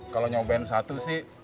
kalau nyobain satu sih